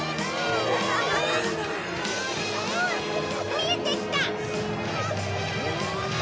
見えてきた！